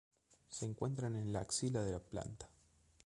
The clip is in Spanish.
Se encuentran en la axila de la planta.